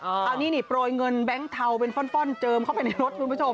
อันนี้นี่โปรยเงินแบงค์เทาเป็นฟ่อนเจิมเข้าไปในรถคุณผู้ชม